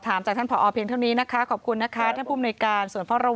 แต่ว่าตัวที่เป็นข้อมูลเทรดิตไหวและก็ตามอยู่ตลอดนะครับ